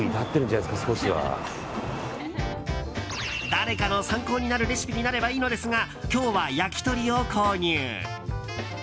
誰かの参考になるレシピになればいいのですが今日は焼き鳥を購入。